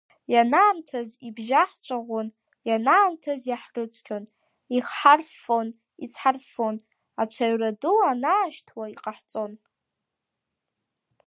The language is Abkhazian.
Ианаамҭаз ибжьаҳцәаӷәон, ианаамҭаз иаҳрыцқьон, ихҳарффон, иҵҳарффон, аҽаҩра ду аанашьҭуа иҟаҳҵон.